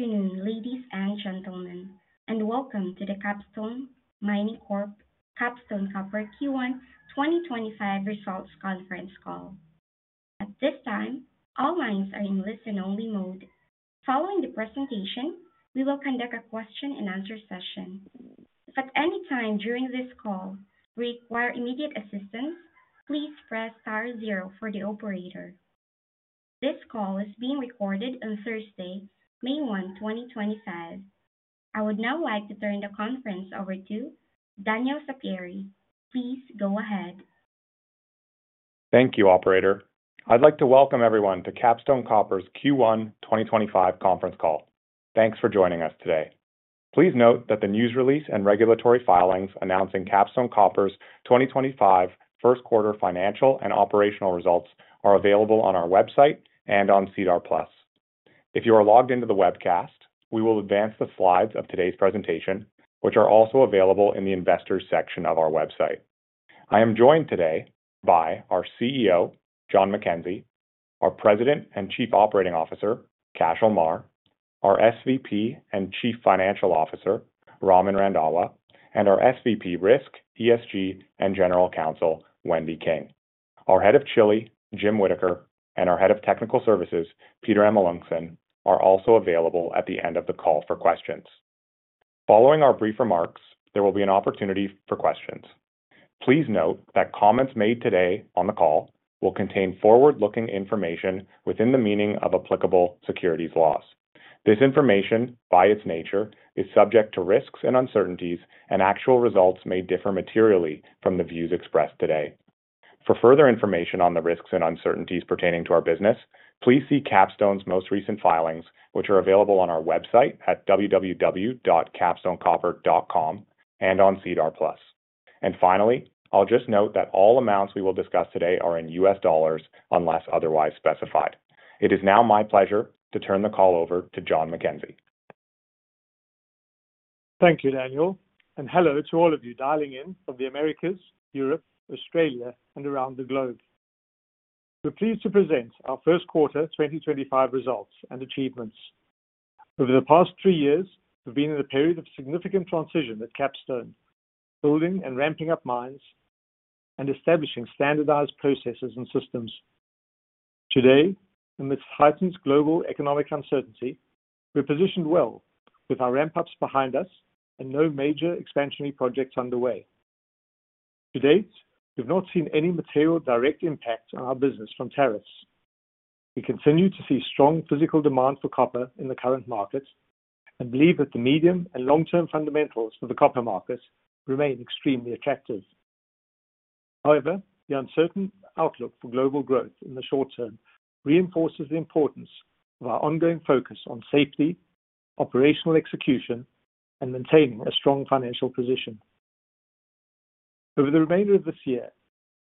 Afternoon, ladies and gentlemen, and welcome to the Capstone Copper Q1 2025 Results Conference call. At this time, all lines are in listen-only mode. Following the presentation, we will conduct a question-and-answer session. If at any time during this call we require immediate assistance, please press star zero for the operator. This call is being recorded on Thursday, May 1, 2025. I would now like to turn the conference over to Daniel Sampieri. Please go ahead. Thank you, Operator. I'd like to welcome everyone to Capstone Copper's Q1 2025 Conference Call. Thanks for joining us today. Please note that the news release and regulatory filings announcing Capstone Copper's 2025 Q1 financial and operational results are available on our website and on SEDAR+. If you are logged into the webcast, we will advance the slides of today's presentation, which are also available in the investors' section of our website. I am joined today by our CEO, John MacKenzie, our President and Chief Operating Officer, Cashel Meagher, our SVP and Chief Financial Officer, Raman Randhawa, and our SVP, Risk, ESG, and General Counsel, Wendy King. Our Head of Chile, Jim Whittaker, and our Head of Technical Services, Peter Amelunxen, are also available at the end of the call for questions. Following our brief remarks, there will be an opportunity for questions. Please note that comments made today on the call will contain forward-looking information within the meaning of applicable securities laws. This information, by its nature, is subject to risks and uncertainties, and actual results may differ materially from the views expressed today. For further information on the risks and uncertainties pertaining to our business, please see Capstone Copper's most recent filings, which are available on our website at www.capstonecopper.com and on SEDAR+. Finally, I'll just note that all amounts we will discuss today are in US dollars unless otherwise specified. It is now my pleasure to turn the call over to John MacKenzie. Thank you, Daniel, and hello to all of you dialing in from the Americas, Europe, Australia, and around the globe. We're pleased to present our Q1 2025 results and achievements. Over the past three years, we've been in a period of significant transition at Capstone Copper, building and ramping up mines and establishing standardized processes and systems. Today, amidst heightened global economic uncertainty, we're positioned well with our ramp-ups behind us and no major expansionary projects underway. To date, we've not seen any material direct impact on our business from tariffs. We continue to see strong physical demand for copper in the current market and believe that the medium and long-term fundamentals for the copper market remain extremely attractive. However, the uncertain outlook for global growth in the short term reinforces the importance of our ongoing focus on safety, operational execution, and maintaining a strong financial position. Over the remainder of this year,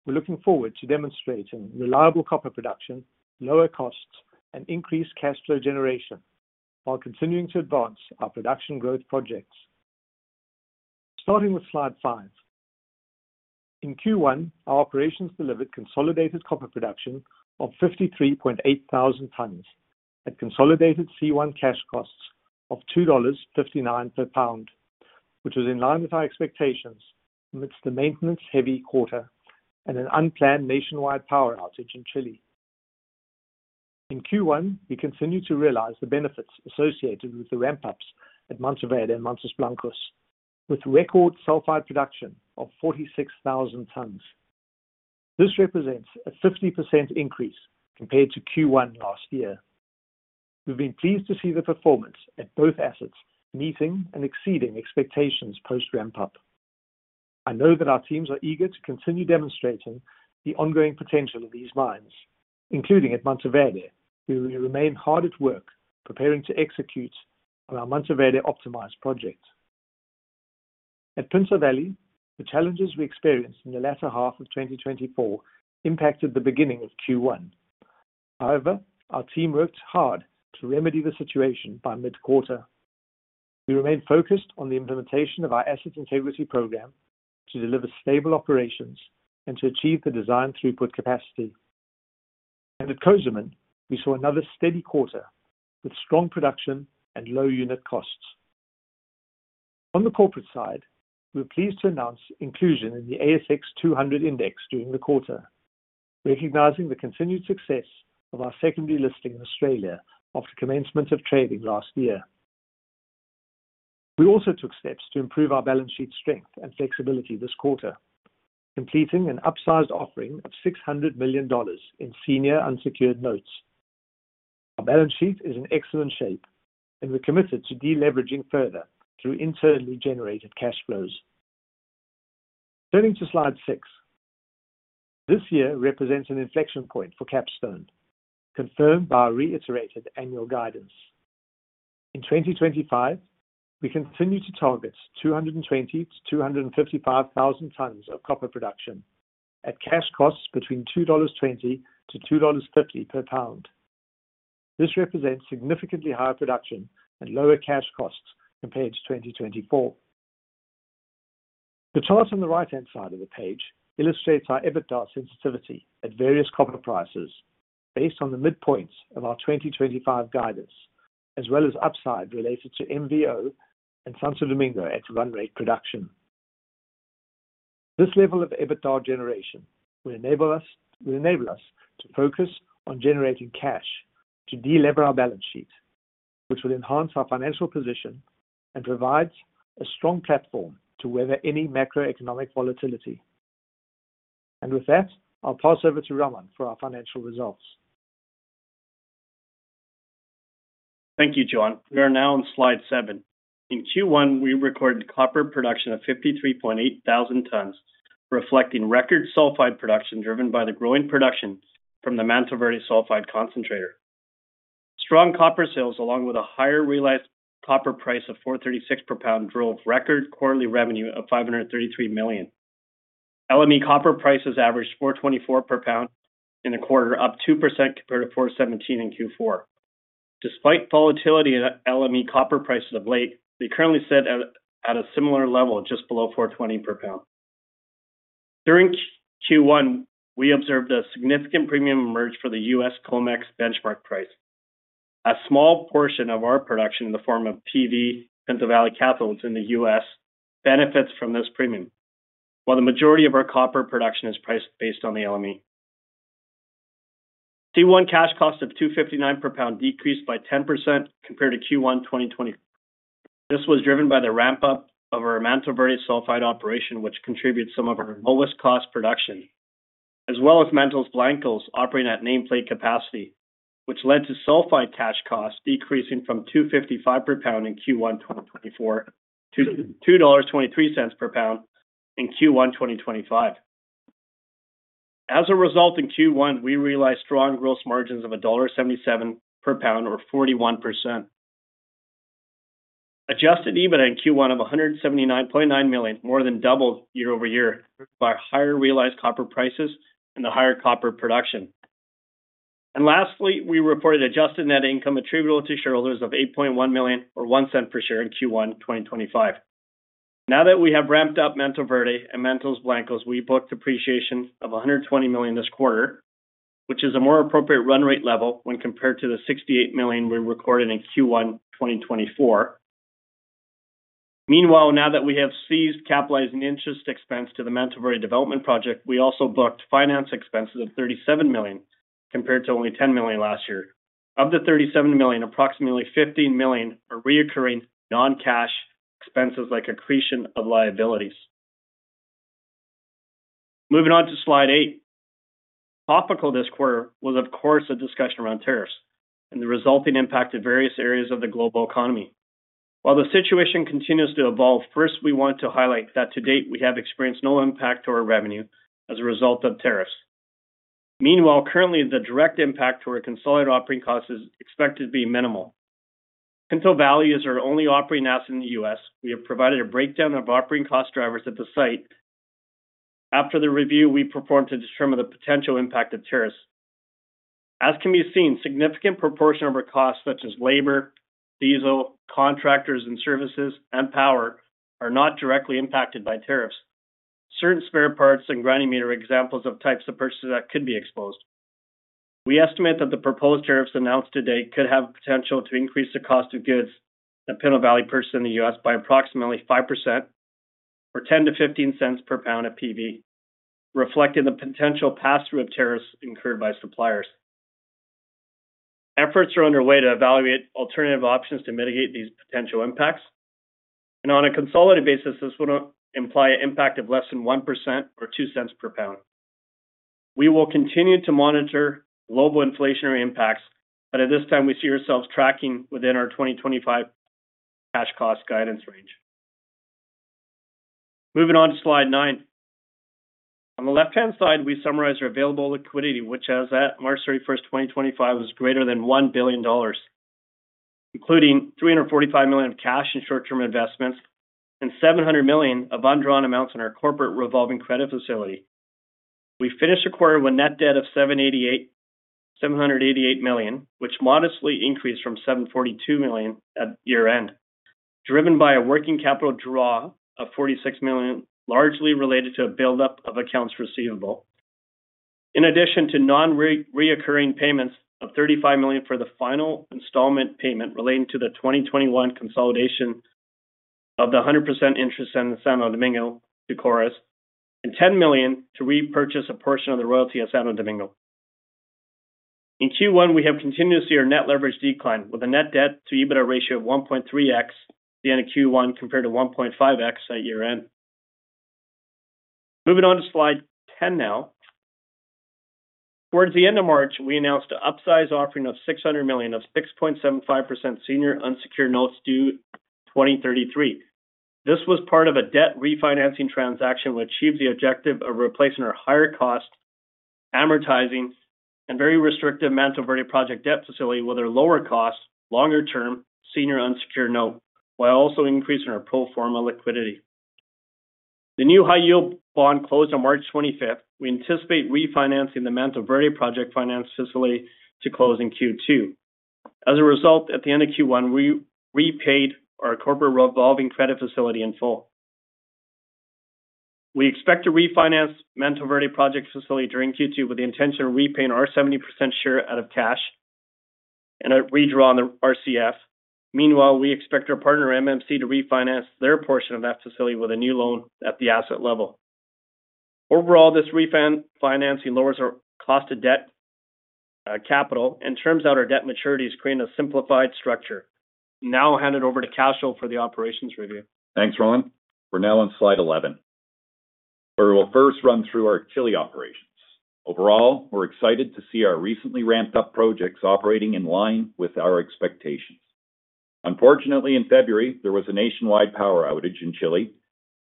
we're looking forward to demonstrating reliable copper production, lower costs, and increased cash flow generation while continuing to advance our production growth projects. Starting with slide five, in Q1, our operations delivered consolidated copper production of 53.8 thousand tons at consolidated C1 cash costs of $2.59 per pound, which was in line with our expectations amidst the maintenance-heavy quarter and an unplanned nationwide power outage in Chile. In Q1, we continue to realize the benefits associated with the ramp-ups at Mantoverde and Mantos Blancos, with record sulfide production of 46,000 tons. This represents a 50% increase compared to Q1 last year. We've been pleased to see the performance at both assets meeting and exceeding expectations post-ramp-up. I know that our teams are eager to continue demonstrating the ongoing potential of these mines, including at Mantoverde, where we remain hard at work preparing to execute on Mantoverde Optimized Project. at Pinto Valley, the challenges we experienced in the latter half of 2024 impacted the beginning of Q1. However, our team worked hard to remedy the situation by mid-quarter. We remained focused on the implementation of our Asset Integrity Program to deliver stable operations and to achieve the design throughput capacity. At Cozamin, we saw another steady quarter with strong production and low unit costs. On the corporate side, we're pleased to announce inclusion in the ASX 200 index during the quarter, recognizing the continued success of our secondary listing in Australia after commencement of trading last year. We also took steps to improve our balance sheet strength and flexibility this quarter, completing an upsized offering of $600 million in senior unsecured notes. Our balance sheet is in excellent shape, and we're committed to deleveraging further through internally generated cash flows. Turning to slide six, this year represents an inflection point for Capstone, confirmed by our reiterated annual guidance. In 2025, we continue to target 220-255 thousand tons of copper production at cash costs between $2.20-$2.50 per pound. This represents significantly higher production and lower cash costs compared to 2024. The chart on the right-hand side of the page illustrates our EBITDA sensitivity at various copper prices based on the midpoints of our 2025 guidance, as well as upside related to MVO and Santo Domingo at run rate production. This level of EBITDA generation will enable us to focus on generating cash to delever our balance sheet, which will enhance our financial position and provide a strong platform to weather any macroeconomic volatility. With that, I'll pass over to Raman for our financial results. Thank you, John. We are now on slide seven. In Q1, we recorded copper production of 53.8 thousand tons, reflecting record sulfide production driven by the growing production from the Mantoverde sulfide concentrator. Strong copper sales, along with a higher realized copper price of $4.36 per pound, drove record quarterly revenue of $533 million. LME copper prices averaged $4.24 per pound in the quarter, up 2% compared to $4.17 in Q4. Despite volatility in LME copper prices of late, we currently sit at a similar level, just below $4.20 per pound. During Q1, we observed a significant premium emerge for the US COMEX benchmark price. A small portion of our production in the form of PV Pinto Valley cathodes in the US benefits from this premium, while the majority of our copper production is priced based on the LME. C1 cash cost of $2.59 per pound decreased by 10% compared to Q1 2024. This was driven by the ramp-up of our Mantoverde sulfide operation, which contributed some of our lowest cost production, as well as Mantos Blancos operating at nameplate capacity, which led to sulfide cash costs decreasing from $2.55 per pound in Q1 2024 to $2.23 per pound in Q1 2025. As a result, in Q1, we realized strong gross margins of $1.77 per pound, or 41%. Adjusted EBITDA in Q1 of $179.9 million, more than doubled year over year by higher realized copper prices and the higher copper production. Lastly, we reported adjusted net income attributable to shareholders of $8.1 million, or one cent per share in Q1 2025. Now that we have ramped up Mantoverde and Mantos Blancos, we booked depreciation of $120 million this quarter, which is a more appropriate run rate level when compared to the $68 million we recorded in Q1 2024. Meanwhile, now that we have ceased capitalizing interest expense to the Mantoverde development project, we also booked finance expenses of $37 million compared to only $10 million last year. Of the $37 million, approximately $15 million are recurring non-cash expenses like accretion of liabilities. Moving on to slide eight, topical this quarter was, of course, a discussion around tariffs and the resulting impact of various areas of the global economy. While the situation continues to evolve, first, we want to highlight that to date, we have experienced no impact to our revenue as a result of tariffs. Meanwhile, currently, the direct impact to our consolidated operating costs is expected to be minimal. Pinto Valley is our only operating asset in the US. We have provided a breakdown of operating cost drivers at the site. After the review, we performed to determine the potential impact of tariffs. As can be seen, a significant proportion of our costs, such as labor, diesel, contractors and services, and power, are not directly impacted by tariffs. Certain spare parts and grinding media are examples of types of purchases that could be exposed. We estimate that the proposed tariffs announced today could have the potential to increase the cost of goods at Pinto Valley purchased in the US by approximately 5%, or $0.10-$0.15 per pound of PV, reflecting the potential pass-through of tariffs incurred by suppliers. Efforts are underway to evaluate alternative options to mitigate these potential impacts. On a consolidated basis, this would imply an impact of less than 1% or $0.02 per pound. We will continue to monitor global inflationary impacts, but at this time, we see ourselves tracking within our 2025 cash cost guidance range. Moving on to slide nine. On the left-hand side, we summarize our available liquidity, which as of March 31, 2025, was greater than $1 billion, including $345 million of cash and short-term investments and $700 million of undrawn amounts in our corporate revolving credit facility. We finished the quarter with net debt of $788 million, which modestly increased from $742 million at year-end, driven by a working capital draw of $46 million, largely related to a build-up of accounts receivable, in addition to non-recurring payments of $35 million for the final installment payment relating to the 2021 consolidation of the 100% interest in the Santo Domingo project, and $10 million to repurchase a portion of the royalty at Santo Domingo. In Q1, we have continued to see our net leverage decline, with a net debt-to-EBITDA ratio of 1.3x at the end of Q1 compared to 1.5x at year-end. Moving on to slide ten now. Towards the end of March, we announced an upsized offering of $600 million of 6.75% senior unsecured notes due in 2033. This was part of a debt refinancing transaction which achieved the objective of replacing our higher-cost amortizing and very restrictive Mantoverde project debt facility with our lower-cost, longer-term senior unsecured note, while also increasing our pro forma liquidity. The new high-yield bond closed on March 25. We anticipate refinancing the Mantoverde project finance facility to close in Q2. As a result, at the end of Q1, we repaid our corporate revolving credit facility in full. We expect to refinance Mantoverde project facility during Q2 with the intention of repaying our 70% share out of cash and a redraw on the RCF. Meanwhile, we expect our partner, MMC, to refinance their portion of that facility with a new loan at the asset level. Overall, this refinancing lowers our cost of debt capital and terms out our debt maturities, creating a simplified structure. Now hand it over to Cashel for the operations review. Thanks, Raman. We're now on slide 11, where we'll first run through our Chile operations. Overall, we're excited to see our recently ramped-up projects operating in line with our expectations. Unfortunately, in February, there was a nationwide power outage in Chile,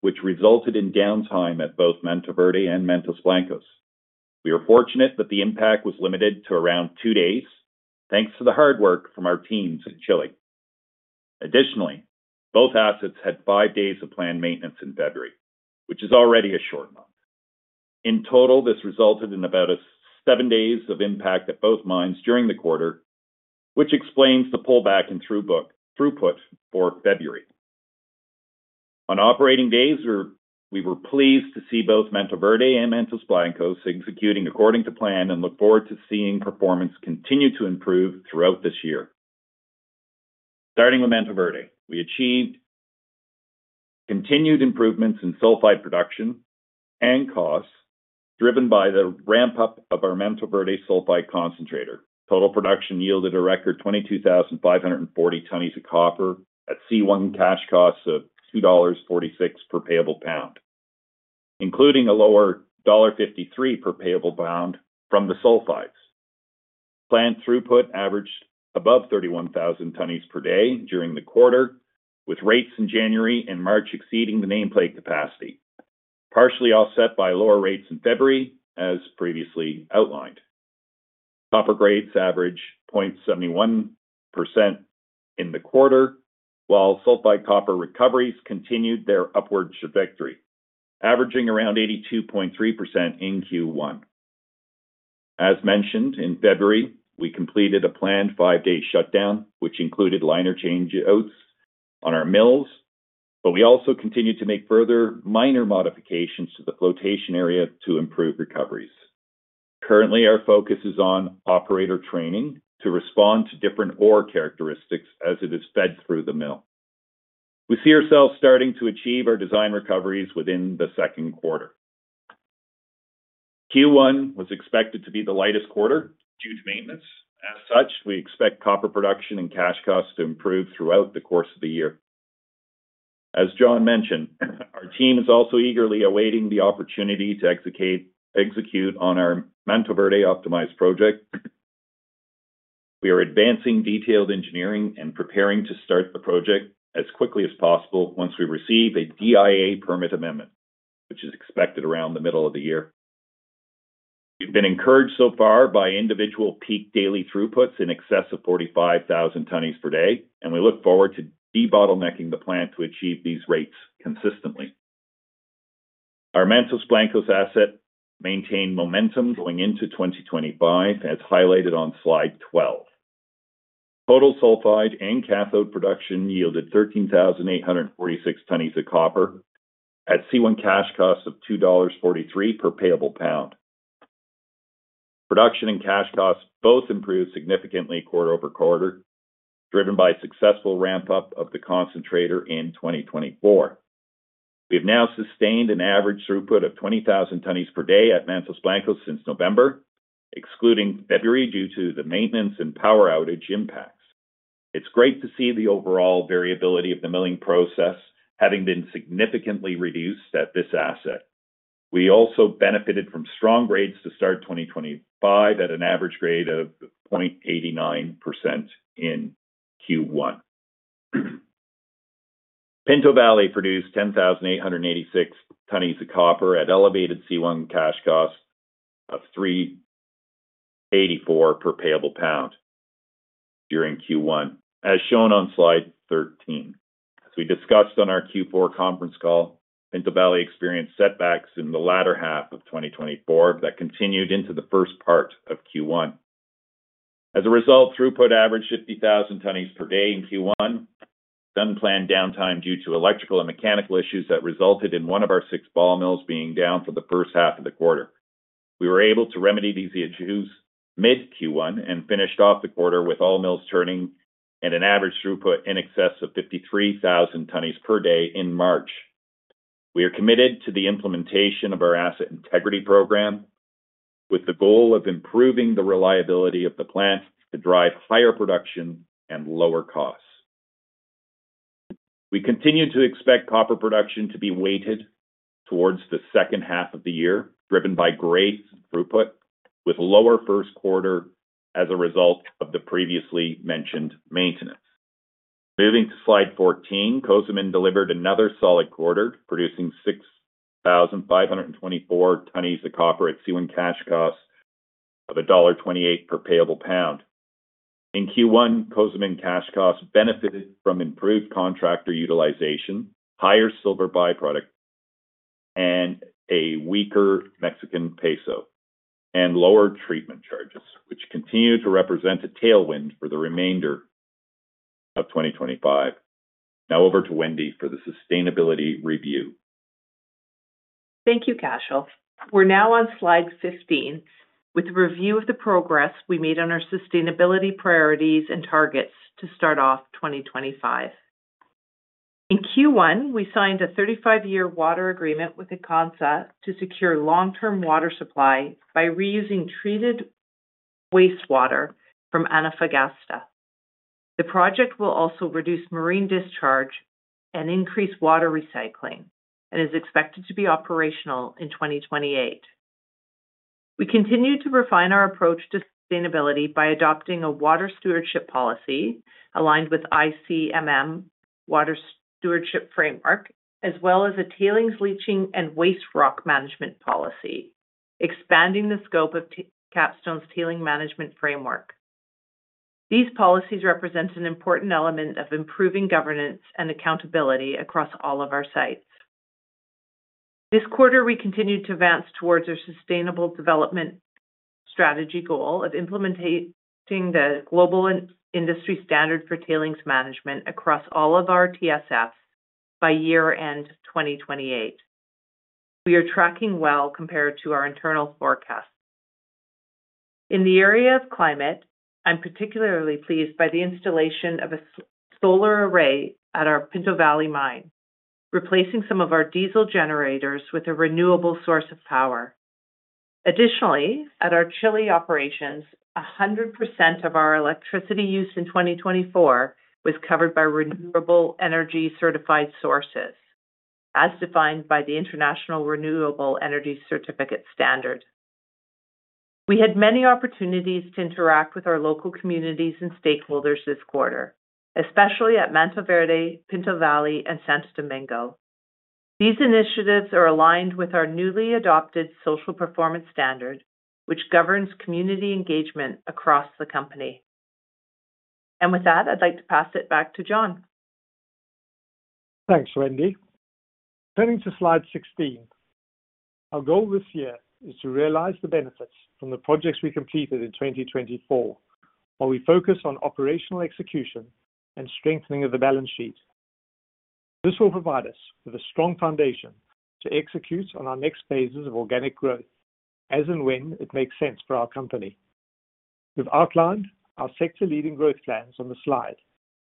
which resulted in downtime at both Mantoverde and Mantos Blancos. We are fortunate that the impact was limited to around two days, thanks to the hard work from our teams in Chile. Additionally, both assets had five days of planned maintenance in February, which is already a short month. In total, this resulted in about seven days of impact at both mines during the quarter, which explains the pullback in throughput for February. On operating days, we were pleased to see both Mantoverde and Mantos Blancos executing according to plan and look forward to seeing performance continue to improve throughout this year. Starting with Mantoverde, we achieved continued improvements in sulfide production and costs driven by the ramp-up of our Mantoverde sulfide concentrator. Total production yielded a record 22,540 tons of copper at C1 cash costs of $2.46 per payable pound, including a lower $1.53 per payable pound from the sulfides. Planned throughput averaged above 31,000 tons per day during the quarter, with rates in January and March exceeding the nameplate capacity, partially offset by lower rates in February, as previously outlined. Copper grades averaged 0.71% in the quarter, while sulfide copper recoveries continued their upward trajectory, averaging around 82.3% in Q1. As mentioned, in February, we completed a planned five-day shutdown, which included liner change outs on our mills, but we also continued to make further minor modifications to the flotation area to improve recoveries. Currently, our focus is on operator training to respond to different ore characteristics as it is fed through the mill. We see ourselves starting to achieve our design recoveries within the second quarter. Q1 was expected to be the lightest quarter due to maintenance. As such, we expect copper production and cash costs to improve throughout the course of the year. As John mentioned, our team is also eagerly awaiting the opportunity to execute on our Mantoverde Optimized Project. We are advancing detailed engineering and preparing to start the project as quickly as possible once we receive a DIA permit amendment, which is expected around the middle of the year. We've been encouraged so far by individual peak daily throughputs in excess of 45,000 tons per day, and we look forward to debottlenecking the plant to achieve these rates consistently. Our Mantos Blancos asset maintained momentum going into 2025, as highlighted on slide 12. Total sulfide and cathode production yielded 13,846 tons of copper at C1 cash costs of $2.43 per payable pound. Production and cash costs both improved significantly quarter over quarter, driven by a successful ramp-up of the concentrator in 2024. We have now sustained an average throughput of 20,000 tons per day at Mantos Blancos since November, excluding February due to the maintenance and power outage impacts. It's great to see the overall variability of the milling process having been significantly reduced at this asset. We also benefited from strong grades to start 2025 at an average grade of 0.89% in Q1. Pinto Valley produced 10,886 tons of copper at elevated C1 cash costs of $3.84 per payable pound during Q1, as shown on slide 13. As we discussed on our Q4 conference call, Pinto Valley experienced setbacks in the latter half of 2024 that continued into the first part of Q1. As a result, throughput averaged 50,000 tons per day in Q1, then planned downtime due to electrical and mechanical issues that resulted in one of our six ball mills being down for the first half of the quarter. We were able to remedy these issues mid-Q1 and finished off the quarter with all mills turning at an average throughput in excess of 53,000 tons per day in March. We are committed to the implementation of our Asset Integrity Program with the goal of improving the reliability of the plant to drive higher production and lower costs. We continue to expect copper production to be weighted towards the second half of the year, driven by grades and throughput, with lower Q1 as a result of the previously mentioned maintenance. Moving to slide 14, Cozamin delivered another solid quarter, producing 6,524 tons of copper at C1 cash costs of $1.28 per payable pound. In Q1, Cozamin cash costs benefited from improved contractor utilization, higher silver byproduct, and a weaker Mexican peso, and lower treatment charges, which continue to represent a tailwind for the remainder of 2025. Now over to Wendy for the sustainability review. Thank you, Cashel. We're now on slide 15 with the review of the progress we made on our sustainability priorities and targets to start off 2025. In Q1, we signed a 35-year water agreement with to secure long-term water supply by reusing treated wastewater from Antofagasta. The project will also reduce marine discharge and increase water recycling and is expected to be operational in 2028. We continue to refine our approach to sustainability by adopting a water stewardship policy aligned with ICMM water stewardship framework, as well as a tailings leaching and waste rock management policy, expanding the scope of Capstone's tailing management framework. These policies represent an important element of improving governance and accountability across all of our sites. This quarter, we continued to advance towards our sustainable development strategy goal of implementing the Global Industry Standard on Tailings Management across all of our TSFs by year-end 2028. We are tracking well compared to our internal forecasts. In the area of climate, I'm particularly pleased by the installation of a solar array at our Pinto Valley mine, replacing some of our diesel generators with a renewable source of power. Additionally, at our Chile operations, 100% of our electricity use in 2024 was covered by renewable energy certified sources, as defined by the International Renewable Energy Certificate Standard. We had many opportunities to interact with our local communities and stakeholders this quarter, especially at Mantoverde, Pinto Valley, and Santo Domingo. These initiatives are aligned with our newly adopted social performance standard, which governs community engagement across the company. With that, I'd like to pass it back to John. Thanks, Wendy. Turning to slide 16, our goal this year is to realize the benefits from the projects we completed in 2024, while we focus on operational execution and strengthening of the balance sheet. This will provide us with a strong foundation to execute on our next phases of organic growth, as and when it makes sense for our company. We've outlined our sector-leading growth plans on the slide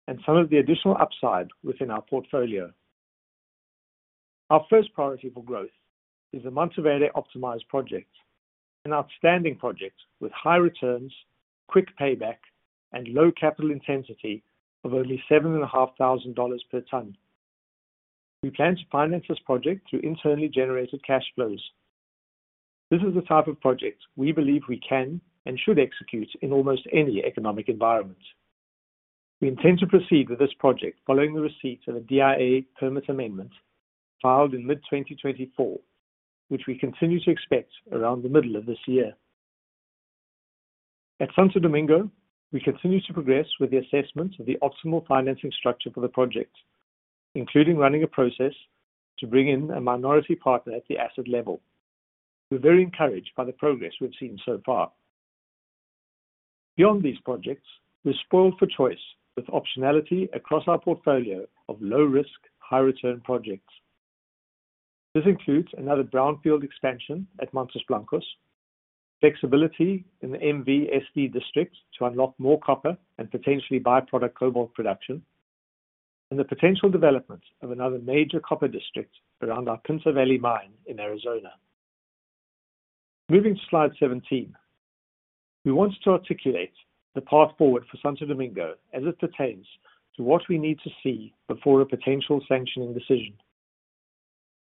and some of the additional upside within our portfolio. Our first priority for growth is the Mantoverde Optimized Project, an outstanding project with high returns, quick payback, and low capital intensity of only $7,500 per tonne. We plan to finance this project through internally generated cash flows. This is the type of project we believe we can and should execute in almost any economic environment. We intend to proceed with this project following the receipt of a DIA permit amendment filed in mid-2024, which we continue to expect around the middle of this year. At Santo Domingo, we continue to progress with the assessment of the optimal financing structure for the project, including running a process to bring in a minority partner at the asset level. We're very encouraged by the progress we've seen so far. Beyond these projects, we're spoiled for choice with optionality across our portfolio of low-risk, high-return projects. This includes another brownfield expansion at Mantos Blancos, flexibility in the MVSD district to unlock more copper and potentially byproduct cobalt production, and the potential development of another major copper district around our Pinto Valley mine in Arizona. Moving to slide 17, we want to articulate the path forward for Santo Domingo as it pertains to what we need to see before a potential sanctioning decision.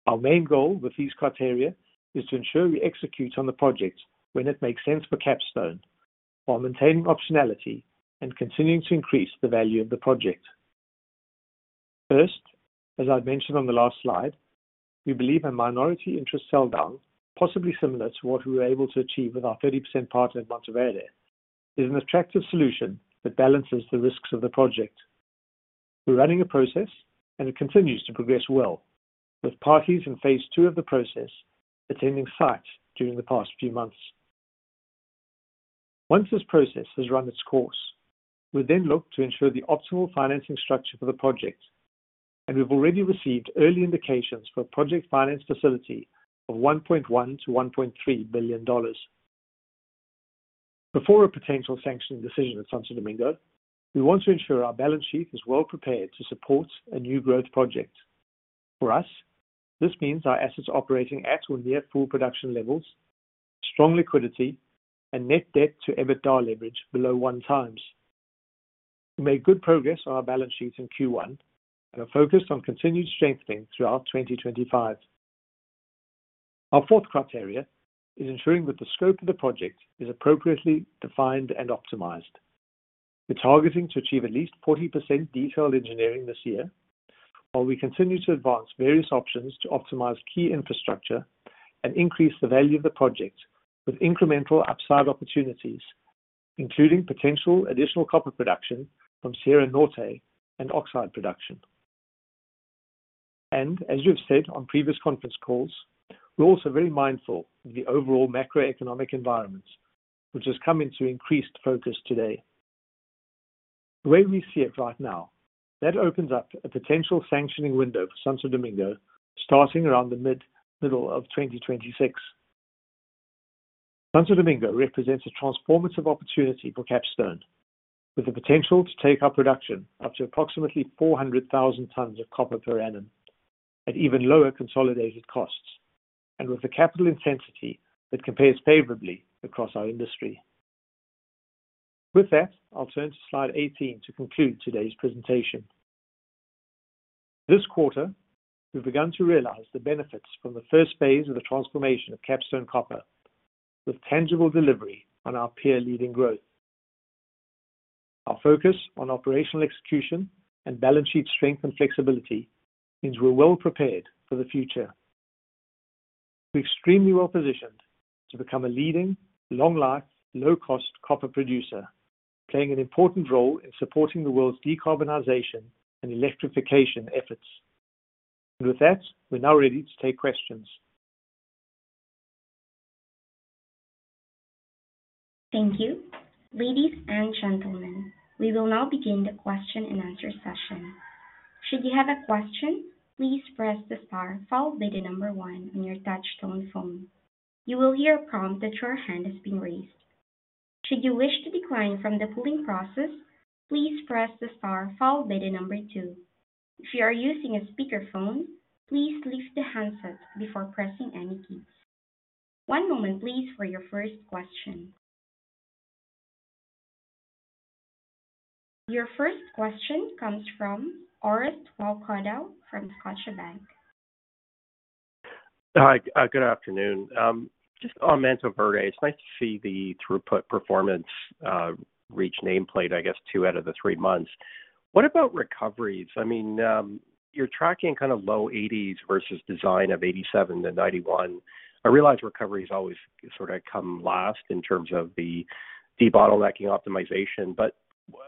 Our main goal with these criteria is to ensure we execute on the project when it makes sense for Capstone, while maintaining optionality and continuing to increase the value of the project. First, as I've mentioned on the last slide, we believe a minority interest sell-down, possibly similar to what we were able to achieve with our 30% partner at Mantoverde, is an attractive solution that balances the risks of the project. We're running a process, and it continues to progress well, with parties in phase two of the process attending sites during the past few months. Once this process has run its course, we then look to ensure the optimal financing structure for the project, and we've already received early indications for a project finance facility of $1.1 billion-$1.3 billion. Before a potential sanctioning decision at Santo Domingo, we want to ensure our balance sheet is well prepared to support a new growth project. For us, this means our assets operating at or near full production levels, strong liquidity, and net debt to EBITDA leverage below one times. We made good progress on our balance sheet in Q1 and are focused on continued strengthening throughout 2025. Our fourth criteria is ensuring that the scope of the project is appropriately defined and optimized. We're targeting to achieve at least 40% detailed engineering this year, while we continue to advance various options to optimize key infrastructure and increase the value of the project with incremental upside opportunities, including potential additional copper production from Sierra Norte and oxide production. As you have said on previous conference calls, we're also very mindful of the overall macroeconomic environment, which has come into increased focus today. The way we see it right now, that opens up a potential sanctioning window for Santo Domingo starting around the middle of 2026. Santo Domingo represents a transformative opportunity for Capstone Copper, with the potential to take up production up to approximately 400,000 tons of copper per annum at even lower consolidated costs and with a capital intensity that compares favorably across our industry. With that, I'll turn to slide 18 to conclude today's presentation. This quarter, we've begun to realize the benefits from the first phase of the transformation of Capstone Copper, with tangible delivery on our peer-leading growth. Our focus on operational execution and balance sheet strength and flexibility means we're well prepared for the future. We're extremely well positioned to become a leading, long-life, low-cost copper producer, playing an important role in supporting the world's decarbonization and electrification efforts. We are now ready to take questions. Thank you. Ladies and gentlemen, we will now begin the question and answer session. Should you have a question, please press the star followed by the number one on your touchstone phone. You will hear a prompt that your hand has been raised. Should you wish to decline from the polling process, please press the star followed by the number two. If you are using a speakerphone, please lift the handset before pressing any keys. One moment, please, for your first question. Your first question comes from Orest Wowkodaw from Scotiabank. Hi, good afternoon. Just on Mantoverde, it's nice to see the throughput performance reach nameplate, I guess, two out of the three months. What about recoveries? I mean, you're tracking kind of low 80s versus design of 87-91%. I realize recovery has always sort of come last in terms of the debottlenecking optimization, but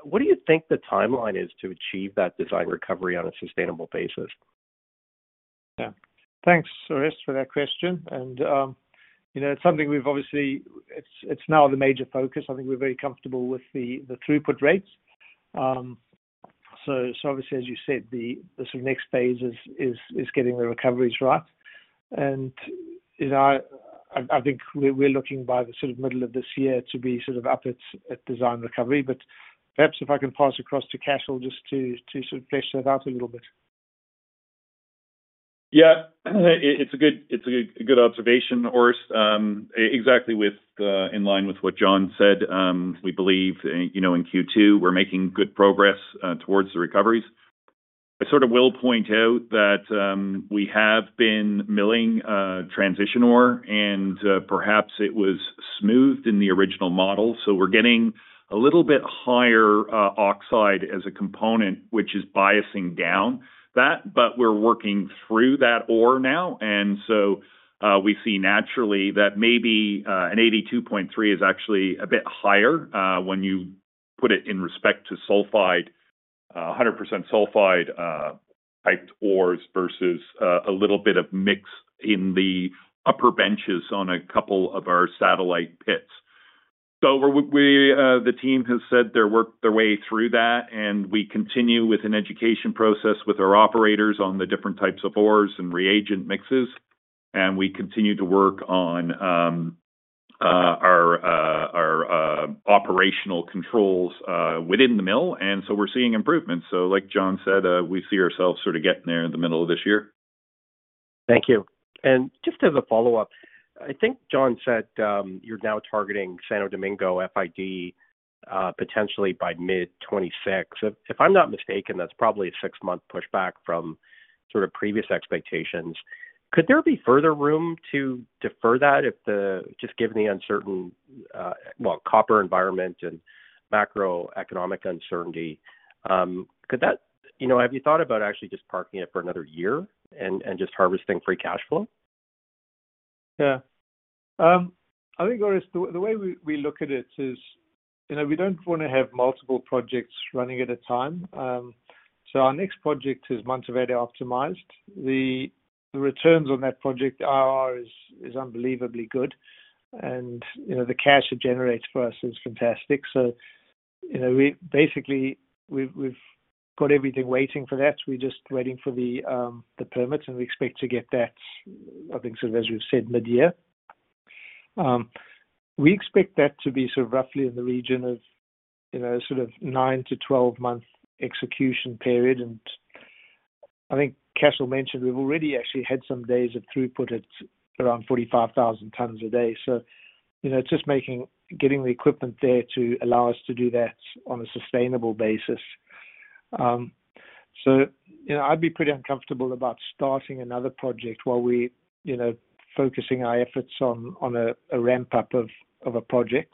what do you think the timeline is to achieve that design recovery on a sustainable basis? Yeah. Thanks, Orest, for that question. It's something we've obviously—it's now the major focus. I think we're very comfortable with the throughput rates. As you said, the sort of next phase is getting the recoveries right. I think we're looking by the sort of middle of this year to be up at design recovery. Perhaps if I can pass across to Cashel just to flesh that out a little bit. Yeah. It's a good observation, Orest. Exactly in line with what John said, we believe in Q2 we're making good progress towards the recoveries. I sort of will point out that we have been milling transition ore, and perhaps it was smoothed in the original model. We're getting a little bit higher oxide as a component, which is biasing down that, but we're working through that ore now. We see naturally that maybe an 82.3% is actually a bit higher when you put it in respect to sulfide, 100% sulfide-type ores versus a little bit of mix in the upper benches on a couple of our satellite pits. The team has said they're working their way through that, and we continue with an education process with our operators on the different types of ores and reagent mixes. We continue to work on our operational controls within the mill. We are seeing improvements. Like John said, we see ourselves sort of getting there in the middle of this year. Thank you. Just as a follow-up, I think John said you're now targeting Santo Domingo FID potentially by mid-2026. If I'm not mistaken, that's probably a six-month pushback from sort of previous expectations. Could there be further room to defer that if the—just given the uncertain, well, copper environment and macroeconomic uncertainty—could that have you thought about actually just parking it for another year and just harvesting free cash flow? Yeah. I think, Orest, the way we look at it is we do not want to have multiple projects running at a time. Our next project is Mantoverde optimized. The returns on that project, our ROI, is unbelievably good. The cash it generates for us is fantastic. Basically, we have got everything waiting for that. We are just waiting for the permits, and we expect to get that, I think, sort of as we have said, mid-year. We expect that to be sort of roughly in the region of 9-12 month execution period. I think Cashel mentioned we have already actually had some days of throughput at around 45,000 tons a day. It is just getting the equipment there to allow us to do that on a sustainable basis. I'd be pretty uncomfortable about starting another project while we're focusing our efforts on a ramp-up of a project.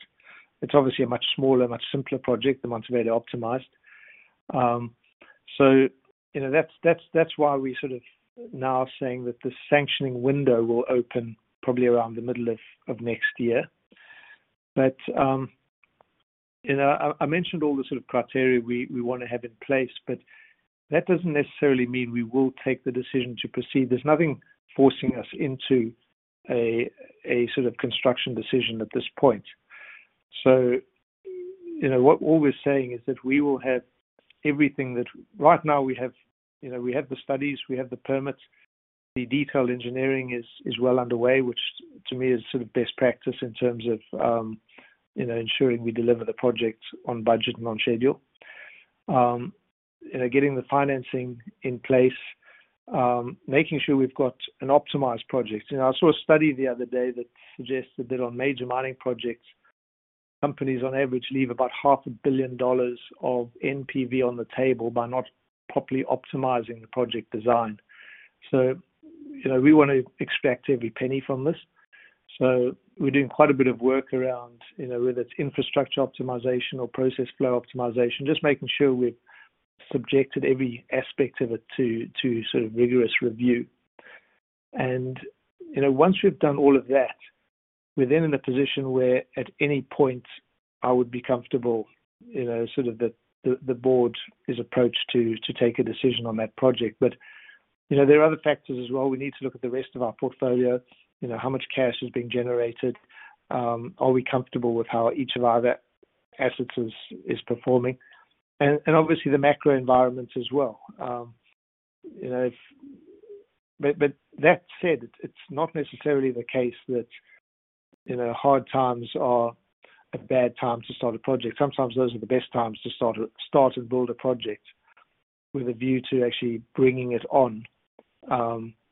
It's obviously a much smaller, much simpler project than Mantoverde optimized. That's why we're sort of now saying that the sanctioning window will open probably around the middle of next year. I mentioned all the sort of criteria we want to have in place, but that doesn't necessarily mean we will take the decision to proceed. There's nothing forcing us into a sort of construction decision at this point. What we're saying is that we will have everything that right now we have—we have the studies, we have the permits, the detailed engineering is well underway, which to me is sort of best practice in terms of ensuring we deliver the project on budget and on schedule. Getting the financing in place, making sure we've got an optimized project. I saw a study the other day that suggested that on major mining projects, companies on average leave about $500,000,000 of NPV on the table by not properly optimizing the project design. We want to extract every penny from this. We're doing quite a bit of work around whether it's infrastructure optimization or process flow optimization, just making sure we've subjected every aspect of it to sort of rigorous review. Once we've done all of that, we're then in a position where at any point I would be comfortable sort of that the board is approached to take a decision on that project. There are other factors as well. We need to look at the rest of our portfolio, how much cash is being generated, are we comfortable with how each of our assets is performing, and obviously the macro environment as well. That said, it's not necessarily the case that hard times are a bad time to start a project. Sometimes those are the best times to start and build a project with a view to actually bringing it on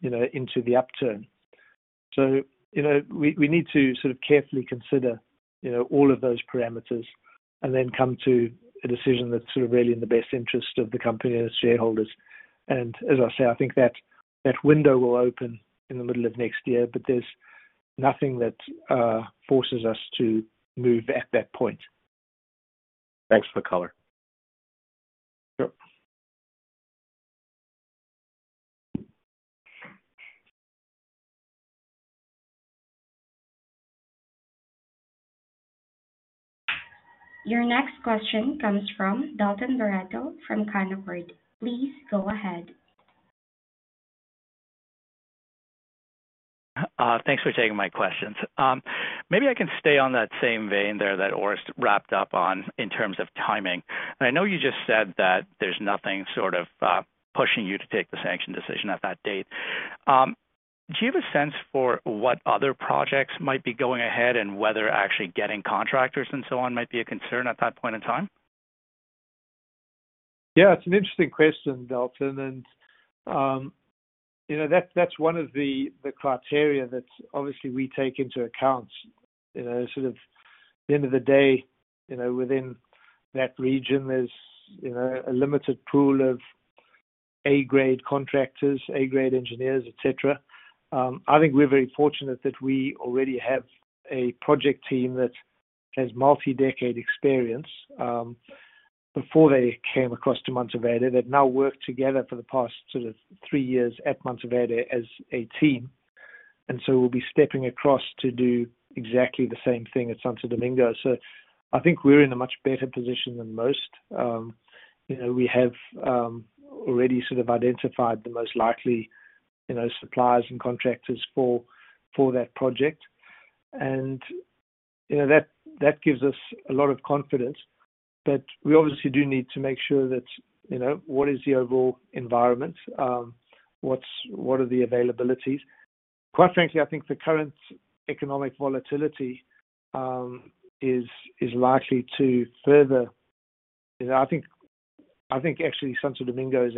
into the upturn. We need to sort of carefully consider all of those parameters and then come to a decision that's sort of really in the best interest of the company and its shareholders. As I say, I think that window will open in the middle of next year, but there's nothing that forces us to move at that point. Thanks for the color. Sure. Your next question comes from Dalton Baretto from Cormark Securities. Please go ahead. Thanks for taking my questions. Maybe I can stay on that same vein there that Orest wrapped up on in terms of timing. I know you just said that there's nothing sort of pushing you to take the sanction decision at that date. Do you have a sense for what other projects might be going ahead and whether actually getting contractors and so on might be a concern at that point in time? Yeah. It's an interesting question, Dalton. That's one of the criteria that obviously we take into account. Sort of at the end of the day, within that region, there's a limited pool of A-grade contractors, A-grade engineers, etc. I think we're very fortunate that we already have a project team that has multi-decade experience before they came across to Mantoverde. They've now worked together for the past sort of three years at Mantoverde as a team. We'll be stepping across to do exactly the same thing at Santo Domingo. I think we're in a much better position than most. We have already sort of identified the most likely suppliers and contractors for that project. That gives us a lot of confidence. We obviously do need to make sure that what is the overall environment, what are the availabilities. Quite frankly, I think the current economic volatility is likely to further—I think actually Santo Domingo is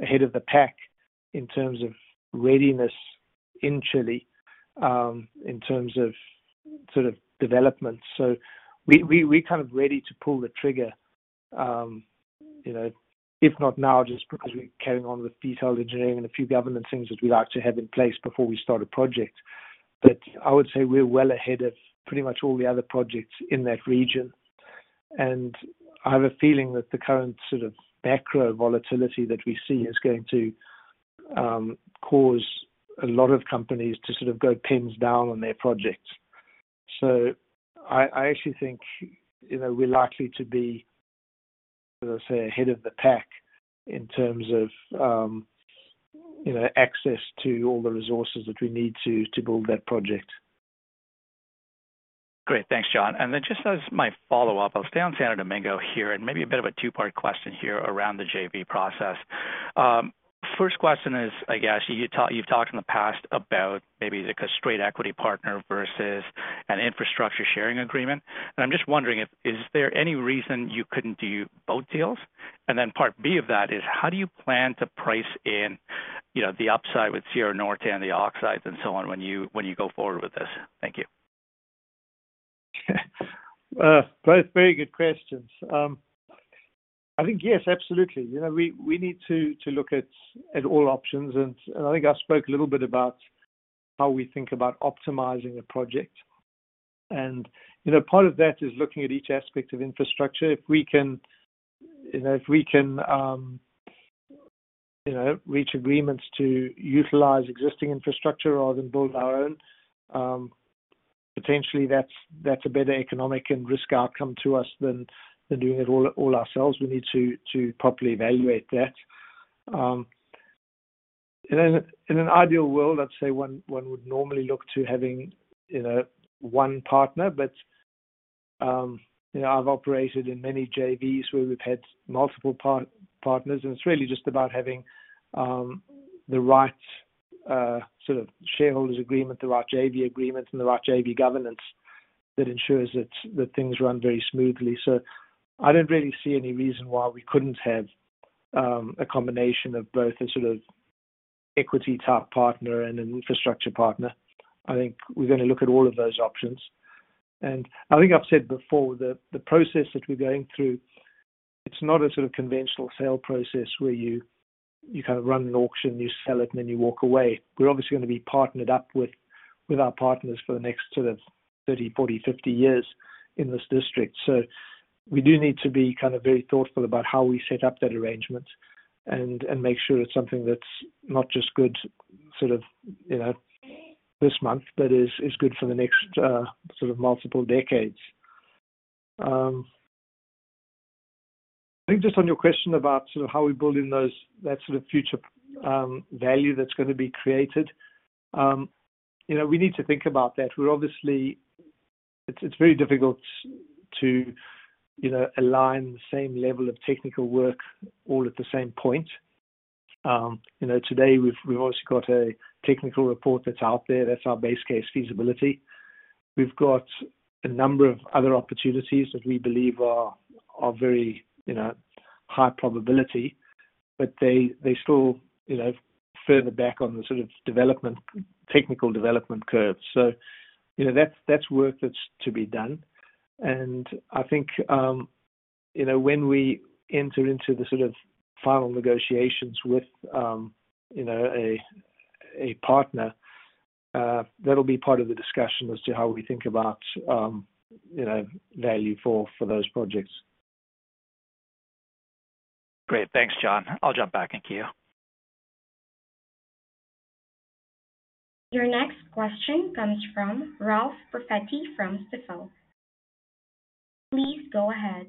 ahead of the pack in terms of readiness in Chile in terms of sort of development. We are kind of ready to pull the trigger, if not now, just because we are carrying on with detailed engineering and a few government things that we would like to have in place before we start a project. I would say we are well ahead of pretty much all the other projects in that region. I have a feeling that the current sort of macro volatility that we see is going to cause a lot of companies to sort of go pins down on their projects. I actually think we are likely to be, as I say, ahead of the pack in terms of access to all the resources that we need to build that project. Great. Thanks, John. Just as my follow-up, I'll stay on Santo Domingo here and maybe a bit of a two-part question around the JV process. First question is, I guess, you've talked in the past about maybe a straight equity partner versus an infrastructure sharing agreement. I'm just wondering, is there any reason you couldn't do both deals? Part B of that is, how do you plan to price in the upside with Sierra Norte and the oxides and so on when you go forward with this? Thank you. Both very good questions. I think, yes, absolutely. We need to look at all options. I think I spoke a little bit about how we think about optimizing a project. Part of that is looking at each aspect of infrastructure. If we can reach agreements to utilize existing infrastructure rather than build our own, potentially that's a better economic and risk outcome to us than doing it all ourselves. We need to properly evaluate that. In an ideal world, I'd say one would normally look to having one partner. I've operated in many JVs where we've had multiple partners. It's really just about having the right sort of shareholders' agreement, the right JV agreement, and the right JV governance that ensures that things run very smoothly. I don't really see any reason why we couldn't have a combination of both a sort of equity-type partner and an infrastructure partner. I think we're going to look at all of those options. I think I've said before, the process that we're going through, it's not a sort of conventional sale process where you kind of run an auction, you sell it, and then you walk away. We're obviously going to be partnered up with our partners for the next 30, 40, 50 years in this district. We do need to be kind of very thoughtful about how we set up that arrangement and make sure it's something that's not just good sort of this month, but is good for the next multiple decades. I think just on your question about sort of how we build in that sort of future value that's going to be created, we need to think about that. It's very difficult to align the same level of technical work all at the same point. Today, we've obviously got a technical report that's out there that's our base case feasibility. We've got a number of other opportunities that we believe are very high probability, but they still further back on the sort of technical development curve. That's work that's to be done. I think when we enter into the sort of final negotiations with a partner, that'll be part of the discussion as to how we think about value for those projects. Great. Thanks, John. I'll jump back into you. Your next question comes from Ralph M. Profiti from Stifel. Please go ahead.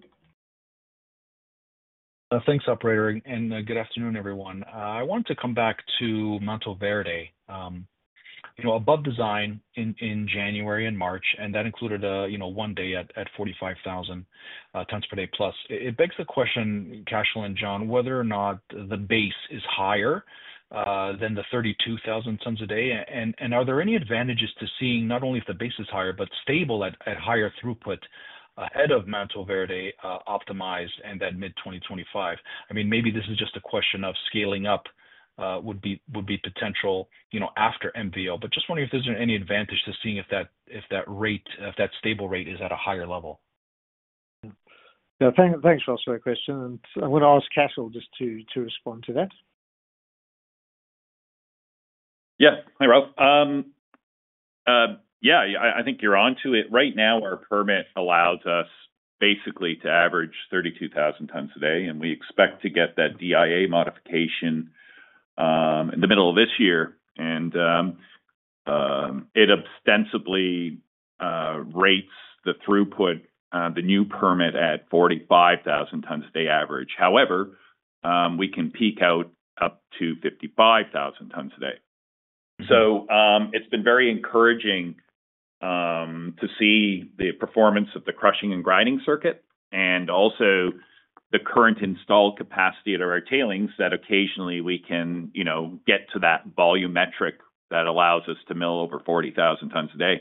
Thanks, Operator. Good afternoon, everyone. I want to come back to Mantoverde. Above design in January and March, and that included one day at 45,000 tons per day plus. It begs the question, Cashel and John, whether or not the base is higher than the 32,000 tons a day. Are there any advantages to seeing not only if the base is higher, but stable at higher throughput ahead of Mantoverde Optimized and then mid-2025? I mean, maybe this is just a question of scaling up would be potential after MVO, but just wondering if there's any advantage to seeing if that stable rate is at a higher level. Yeah. Thanks, Ralph, for that question. I'm going to ask Cashel just to respond to that. Yeah. Hi, Ralph. Yeah. I think you're on to it. Right now, our permit allows us basically to average 32,000 tons a day. We expect to get that DIA modification in the middle of this year. It ostensibly rates the throughput, the new permit, at 45,000 tons a day average. However, we can peak out up to 55,000 tons a day. It has been very encouraging to see the performance of the crushing and grinding circuit and also the current installed capacity at our tailings that occasionally we can get to that volumetric that allows us to mill over 40,000 tons a day.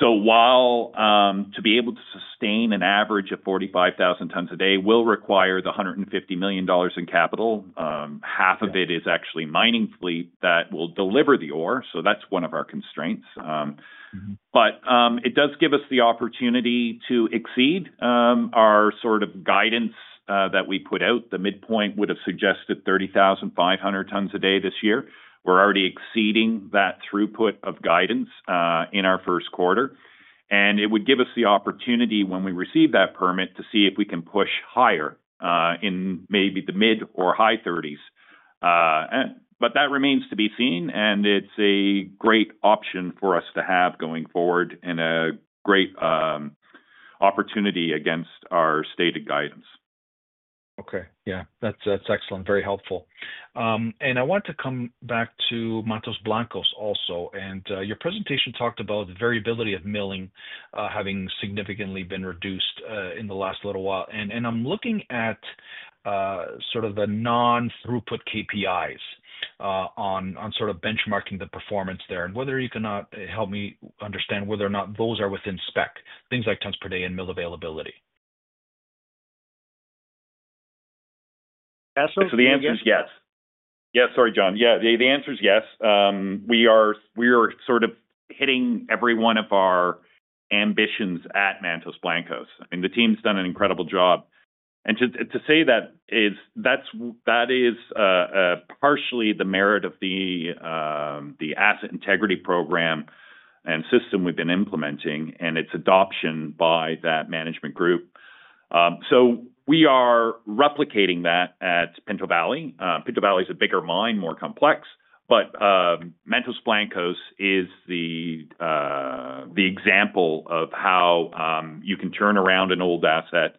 To be able to sustain an average of 45,000 tons a day will require the $150 million in capital. Half of it is actually mining fleet that will deliver the ore. That's one of our constraints. It does give us the opportunity to exceed our sort of guidance that we put out. The midpoint would have suggested 30,500 tons a day this year. We're already exceeding that throughput of guidance in our first quarter. It would give us the opportunity when we receive that permit to see if we can push higher in maybe the mid or high 30s. That remains to be seen. It's a great option for us to have going forward and a great opportunity against our stated guidance. Okay. Yeah. That's excellent. Very helpful. I want to come back to Mantos Blancos also. Your presentation talked about the variability of milling having significantly been reduced in the last little while. I'm looking at sort of the non-throughput KPIs on benchmarking the performance there and whether you can help me understand whether or not those are within spec, things like tons per day and mill availability. The answer is yes. Yeah. Sorry, John. Yeah. The answer is yes. We are sort of hitting every one of our ambitions at Mantos Blancos. The team's done an incredible job. To say that is partially the merit of the Asset Integrity Program and system we've been implementing and its adoption by that management group. We are replicating that at Pinto Valley. Pinto Valley is a bigger mine, more complex. Mantos Blancos is the example of how you can turn around an old asset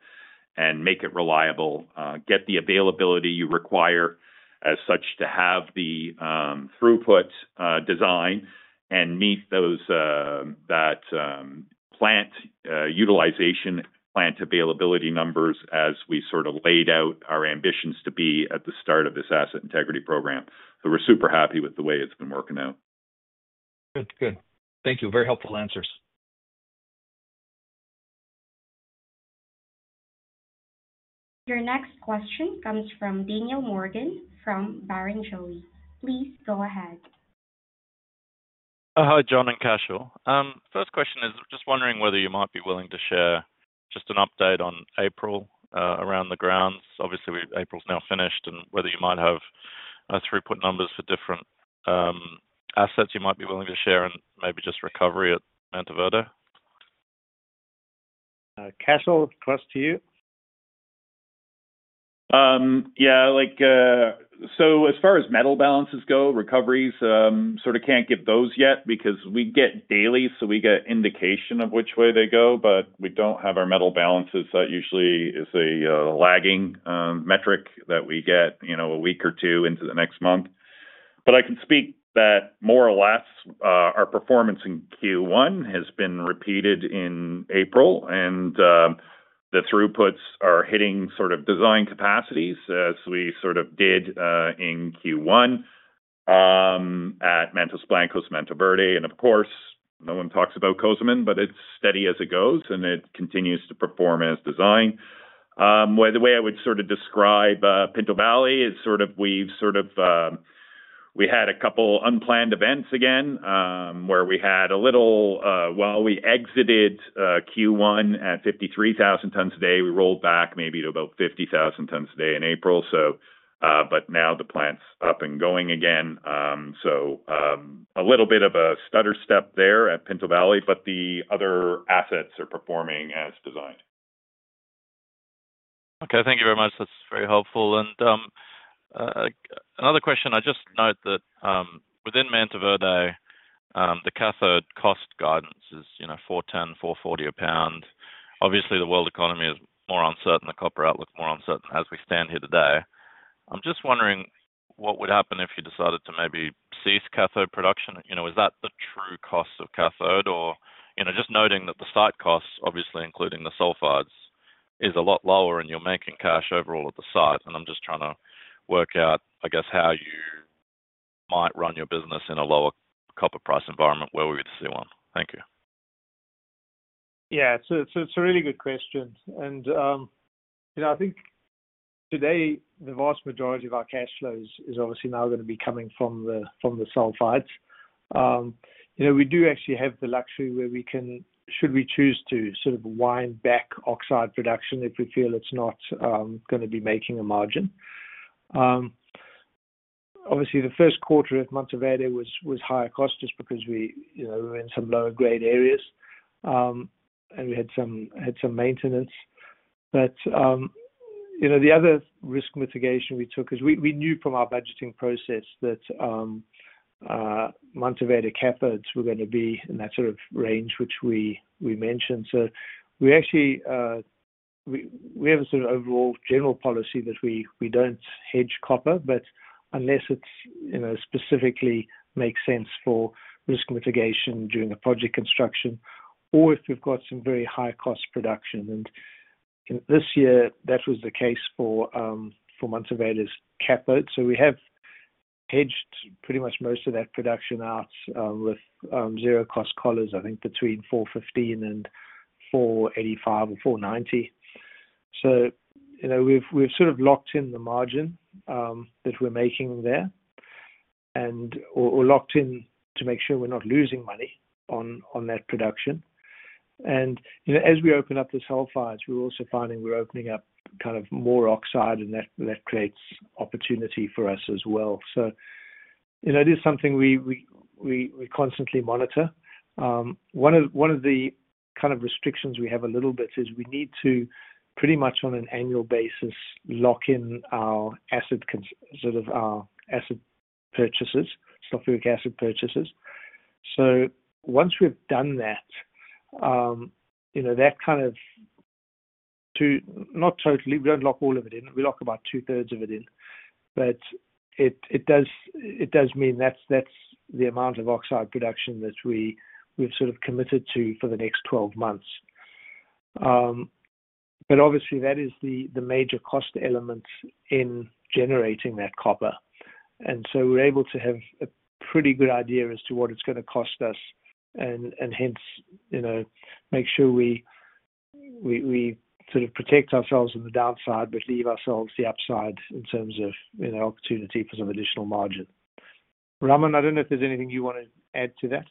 and make it reliable, get the availability you require as such to have the throughput design, and meet that plant utilization, plant availability numbers as we sort of laid out our ambitions to be at the start of this Asset Integrity Program. We're super happy with the way it's been working out. Good. Good. Thank you. Very helpful answers. Your next question comes from Daniel Morgan from Barrenjoey. Please go ahead. Hi, John and Cashel. First question is just wondering whether you might be willing to share just an update on April around the grounds. Obviously, April's now finished, and whether you might have throughput numbers for different assets you might be willing to share and maybe just recovery at Mantoverde. Cashel, across to you. Yeah. As far as metal balances go, recoveries sort of can't give those yet because we get daily, so we get indication of which way they go. We don't have our metal balances. That usually is a lagging metric that we get a week or two into the next month. I can speak that more or less our performance in Q1 has been repeated in April. The throughputs are hitting sort of design capacities as we sort of did in Q1 at Mantos Blancos, Mantoverde. Of course, no one talks about Cozamin, but it's steady as it goes, and it continues to perform as design. The way I would sort of describe Pinto Valley is we've sort of had a couple of unplanned events again where we had a little while we exited Q1 at 53,000 tons a day, we rolled back maybe to about 50,000 tons a day in April. Now the plant's up and going again. A little bit of a stutter step there at Pinto Valley, but the other assets are performing as designed. Okay. Thank you very much. That's very helpful. Another question. I just note that within Mantoverde, the cathode cost guidance is $4.10-$4.40 a pound. Obviously, the world economy is more uncertain. The copper outlook is more uncertain as we stand here today. I'm just wondering what would happen if you decided to maybe cease cathode production. Is that the true cost of cathode, or just noting that the site costs, obviously including the sulfides, is a lot lower and you're making cash overall at the site? I'm just trying to work out, I guess, how you might run your business in a lower copper price environment where we would see one. Thank you. Yeah. It is a really good question. I think today, the vast majority of our cash flow is obviously now going to be coming from the sulfides. We do actually have the luxury where we can, should we choose to, sort of wind back oxide production if we feel it is not going to be making a margin. Obviously, the Q1 of Mantoverde was higher cost just because we were in some lower-grade areas and we had some maintenance. The other risk mitigation we took is we knew from our budgeting process that Mantoverde cathodes were going to be in that sort of range which we mentioned. We have a sort of overall general policy that we do not hedge copper, unless it specifically makes sense for risk mitigation during a project construction or if we have some very high-cost production. This year, that was the case for Mantoverde's cathode. We have hedged pretty much most of that production out with zero-cost collars, I think, between $4.15 and $4.85 or $4.90. We have sort of locked in the margin that we are making there or locked in to make sure we are not losing money on that production. As we open up the sulfides, we are also finding we are opening up kind of more oxide, and that creates opportunity for us as well. It is something we constantly monitor. One of the kind of restrictions we have a little bit is we need to pretty much on an annual basis lock in our asset purchases, sulfuric acid purchases. Once we have done that, that kind of not totally. We do not lock all of it in. We lock about two-thirds of it in. It does mean that's the amount of oxide production that we've sort of committed to for the next 12 months. Obviously, that is the major cost element in generating that copper. We're able to have a pretty good idea as to what it's going to cost us and hence make sure we sort of protect ourselves on the downside but leave ourselves the upside in terms of opportunity for some additional margin. Raman, I don't know if there's anything you want to add to that.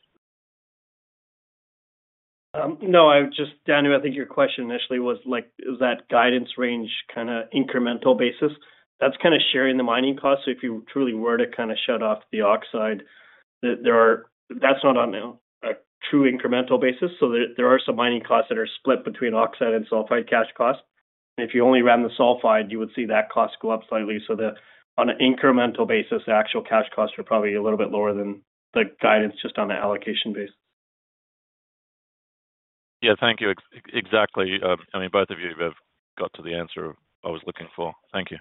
No. Just Daniel, I think your question initially was, is that guidance range kind of incremental basis? That's kind of sharing the mining cost. If you truly were to kind of shut off the oxide, that's not on a true incremental basis. There are some mining costs that are split between oxide and sulfide cash cost. If you only ran the sulfide, you would see that cost go up slightly. On an incremental basis, the actual cash costs are probably a little bit lower than the guidance just on the allocation basis. Yeah. Thank you. Exactly. I mean, both of you have got to the answer I was looking for. Thank you.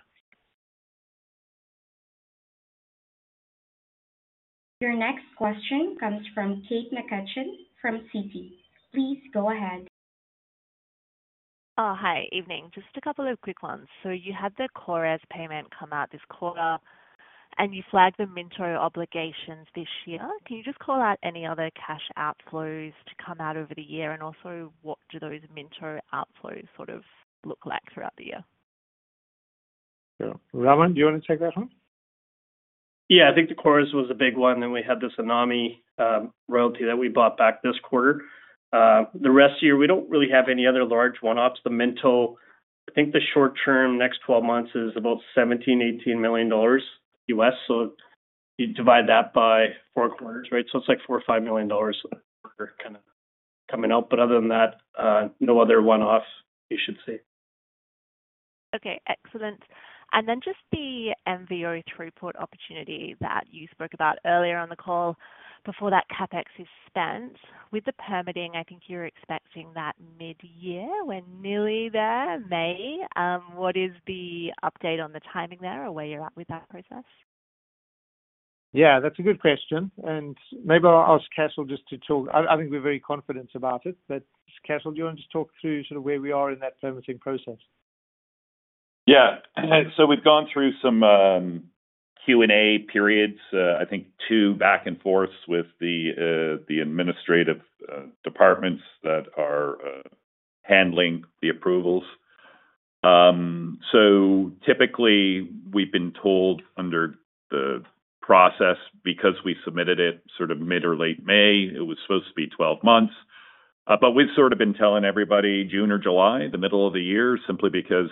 Your next question comes from Kate McCutcheon from Citi. Please go ahead. Hi, evening. Just a couple of quick ones. You had the KORES payment come out this quarter, and you flagged the Antofagasta obligations this year. Can you just call out any other cash outflows to come out over the year? Also, what do those Minto outflows sort of look like throughout the year? Sure. Raman, do you want to take that one? Yeah. I think the KORES was a big one. We had the Tocopilla royalty that we bought back this quarter. The rest of the year, we do not really have any other large one-off. I think the short-term next 12 months is about $17 to 18 million US. You divide that by four quarters, right? It is like $4 to 5 million kind of coming out. Other than that, no other one-off you should see. Okay. Excellent. The MVO throughput opportunity that you spoke about earlier on the call before that CapEx is spent. With the permitting, I think you're expecting that mid-year when nearly there, May. What is the update on the timing there or where you're at with that process? Yeah. That's a good question. Maybe I'll ask Cashel just to talk. I think we're very confident about it. Cashel, do you want to just talk through sort of where we are in that permitting process? Yeah. We've gone through some Q&A periods, I think two back and forths with the administrative departments that are handling the approvals. Typically, we've been told under the process because we submitted it sort of mid or late May, it was supposed to be 12 months. We've sort of been telling everybody June or July, the middle of the year, simply because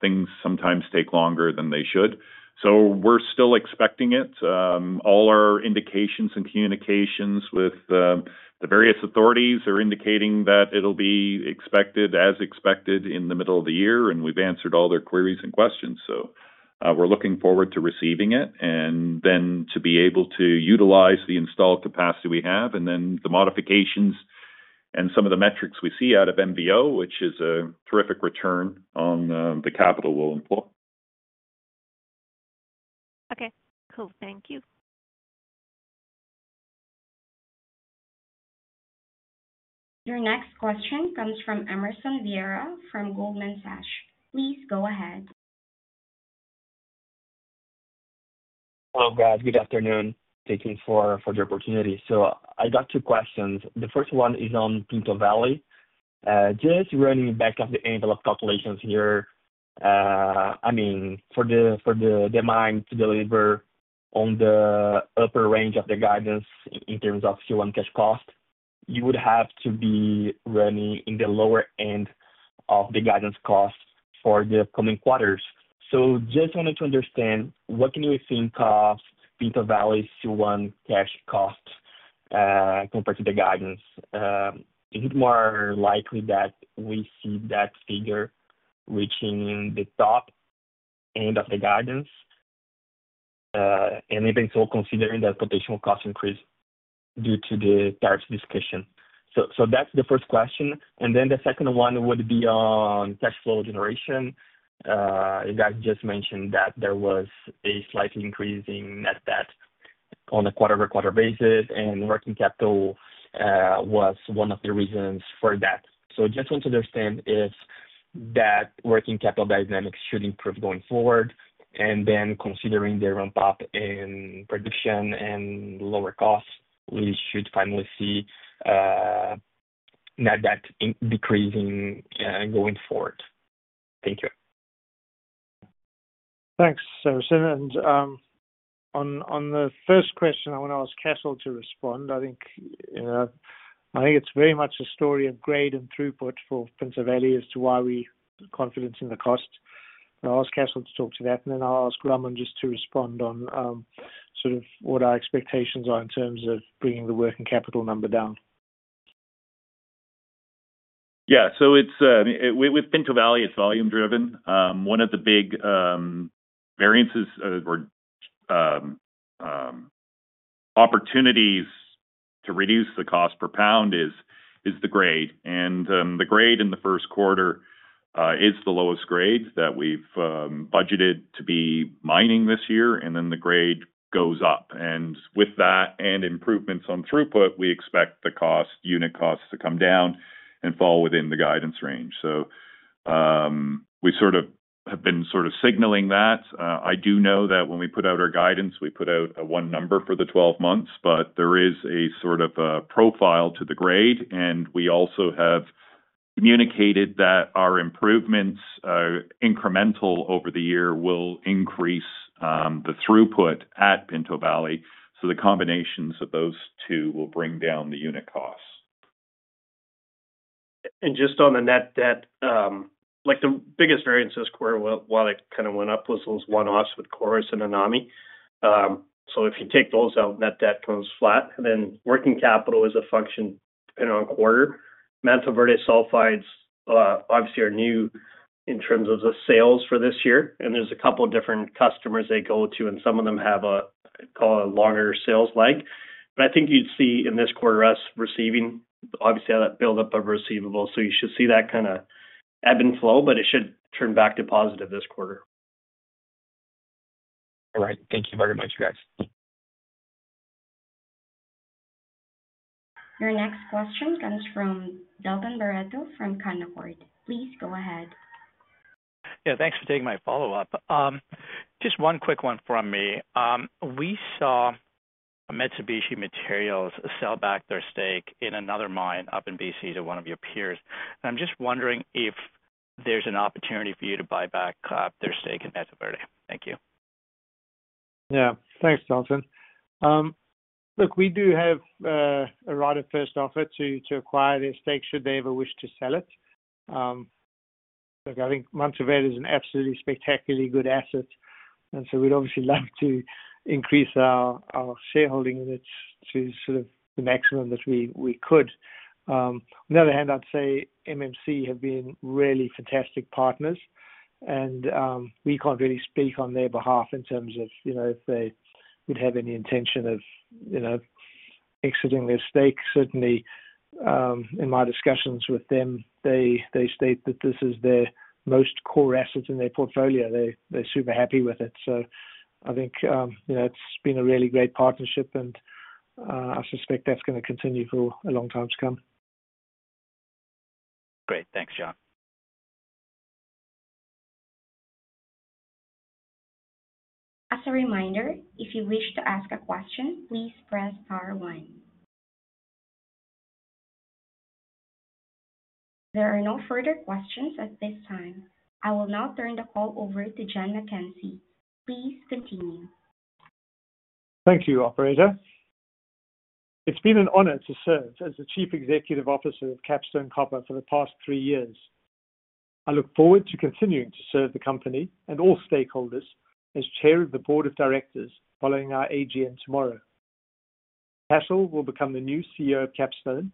things sometimes take longer than they should. We're still expecting it. All our indications and communications with the various authorities are indicating that it'll be expected as expected in the middle of the year. We've answered all their queries and questions. We're looking forward to receiving it and then to be able to utilize the installed capacity we have and then the modifications and some of the metrics we see out of MVO, which is a terrific return on the capital we'll employ. Okay. Cool. Thank you. Your next question comes from Emerson Vieira from Goldman Sachs. Please go ahead. Hello, guys. Good afternoon. Thank you for the opportunity. I got two questions. The first one is on Pinto Valley. Just running back of the envelope calculations here. I mean, for the demand to deliver on the upper range of the guidance in terms of Q1 cash cost, you would have to be running in the lower end of the guidance cost for the upcoming quarters. I just wanted to understand, what can you think of Pinto Valley's Q1 cash cost compared to the guidance? Is it more likely that we see that figure reaching the top end of the guidance? Even so, considering the potential cost increase due to the tariff discussion. That is the first question. The second one would be on cash flow generation. You guys just mentioned that there was a slight increase in net debt on a quarter-over-quarter basis, and working capital was one of the reasons for that. I just want to understand if that working capital dynamic should improve going forward. Then considering the ramp-up in production and lower costs, we should finally see net debt decreasing going forward. Thank you. Thanks, Emerson. On the first question, I want to ask Cashel to respond. I think it's very much a story of grade and throughput for Pinto Valley as to why we're confident in the cost. I will ask Cashel to talk to that. I will ask Raman to respond on what our expectations are in terms of bringing the working capital number down. Yeah. With Pinto Valley, it's volume-driven. One of the big variances or opportunities to reduce the cost per pound is the grade. The grade in the Q1 is the lowest grade that we've budgeted to be mining this year. The grade goes up. With that and improvements on throughput, we expect the unit costs to come down and fall within the guidance range. We sort of have been signaling that. I do know that when we put out our guidance, we put out one number for the 12 months, but there is a sort of profile to the grade. We also have communicated that our improvements, incremental over the year, will increase the throughput at Pinto Valley. The combinations of those two will bring down the unit costs. Just on the net debt, the biggest variance this quarter while it kind of went up was those one-offs with KORES and Tocopilla. If you take those out, net debt comes flat. Working capital is a function depending on quarter. Mantoverde sulfides, obviously, are new in terms of the sales for this year. There are a couple of different customers they go to, and some of them have a longer sales lag. I think you'd see in this quarter us receiving, obviously, that buildup of receivables. You should see that kind of ebb and flow, but it should turn back to positive this quarter. All right. Thank you very much, guys. Your next question comes from Dalton Baretto from Canaccord. Please go ahead. Yeah. Thanks for taking my follow-up. Just one quick one from me. We saw Mitsubishi Materials sell back their stake in another mine up in BC to one of your peers. I'm just wondering if there's an opportunity for you to buy back their stake in Mantoverde. Thank you. Yeah. Thanks, Dalton. Look, we do have a right of first offer to acquire their stake should they ever wish to sell it. Look, I think Mantoverde is an absolutely spectacularly good asset. We would obviously love to increase our shareholding units to sort of the maximum that we could. On the other hand, I'd say MMC have been really fantastic partners. We can't really speak on their behalf in terms of if they would have any intention of exiting their stake. Certainly, in my discussions with them, they state that this is their most core asset in their portfolio. They're super happy with it. I think it's been a really great partnership, and I suspect that's going to continue for a long time to come. Great. Thanks, John. As a reminder, if you wish to ask a question, please press star one. There are no further questions at this time. I will now turn the call over to John MacKenzie. Please continue. Thank you, Operator. It's been an honor to serve as the Chief Executive Officer of Capstone Copper for the past three years. I look forward to continuing to serve the company and all stakeholders as Chair of the Board of Directors following our AGM tomorrow. Cashel will become the new CEO of Capstone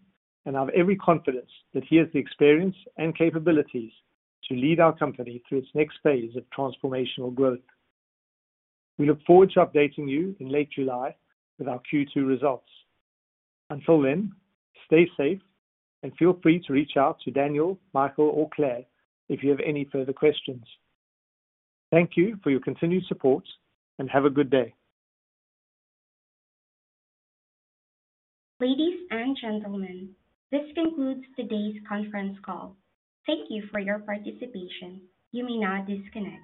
and have every confidence that he has the experience and capabilities to lead our company through its next phase of transformational growth. We look forward to updating you in late July with our Q2 results. Until then, stay safe and feel free to reach out to Daniel, Michael, or Claire if you have any further questions. Thank you for your continued support and have a good day. Ladies and gentlemen, this concludes today's conference call. Thank you for your participation. You may now disconnect.